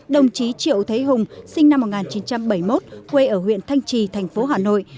đồng chí triệu thế hùng sinh năm một nghìn chín trăm bảy mươi một quê ở huyện thanh trì thành phố hà nội